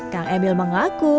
kang emil mengaku